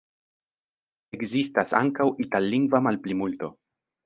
Ekzistas ankaŭ itallingva malplimulto.